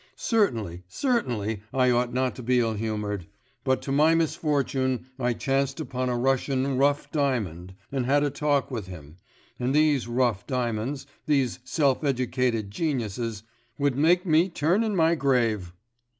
Certainly, certainly, I ought not to be ill humoured; but to my misfortune I chanced upon a Russian "rough diamond," and had a talk with him, and these rough diamonds, these self educated geniuses, would make me turn in my grave!